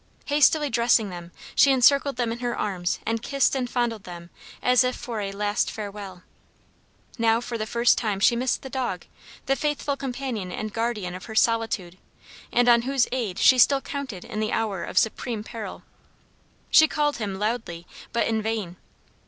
Hastily dressing them she encircled them in her arms and kissed and fondled them as if for a last farewell. Now for the first time she missed the dog, the faithful companion and guardian of her solitude, and on whose aid she still counted in the hour of supreme peril. She called him loudly, but in vain.